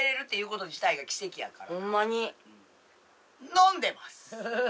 飲んでます。